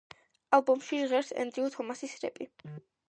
ალბომში ჟღერს ენდრიუ თომასის რეპი.